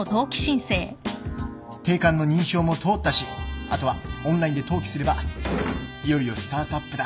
定款の認証も通ったしあとはオンラインで登記すればいよいよスタートアップだ。